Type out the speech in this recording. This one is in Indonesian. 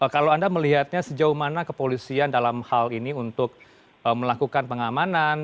kalau anda melihatnya sejauh mana kepolisian dalam hal ini untuk melakukan pengamanan